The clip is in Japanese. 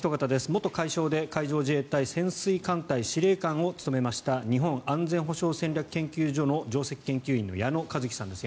元海将で海上自衛隊潜水艦隊司令官を務めました日本安全保障戦略研究所の上席研究員の矢野一樹さんです。